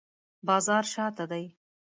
بازار شاته دی